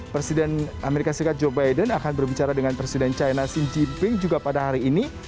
presiden amerika serikat joe biden akan berbicara dengan presiden china xi jinping juga pada hari ini